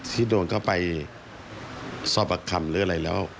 ที่โดนเข้าไปซ็อบอากคำอะไรแล้ว